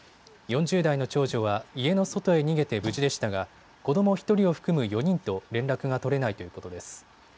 ４０代の長女は家の外に逃げて無事でしたが子ども１人を含む４人と連絡が取れないということです。